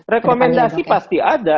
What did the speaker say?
rekomendasi pasti ada